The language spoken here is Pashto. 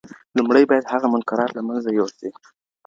لومړی باید هغه منکرات له منځه یوسي.